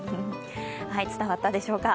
伝わったでしょうか。